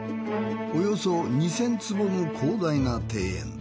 およそ２，０００坪の広大な庭園。